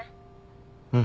うん。